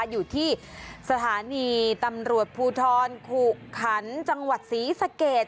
อยู่ที่สถานีตำรวจภูทรขุขันจังหวัดศรีสะเกด